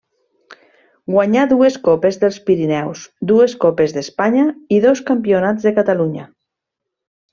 Guanyà dues Copes dels Pirineus, dues Copes d'Espanya i dos Campionats de Catalunya.